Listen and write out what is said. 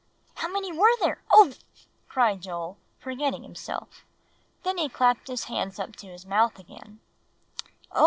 "How many were there ugh!" cried Joel, forgetting himself. Then he clapped his hands up to his mouth again. "Oh!